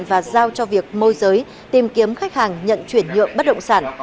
và giao cho việc môi giới tìm kiếm khách hàng nhận chuyển nhượng bất động sản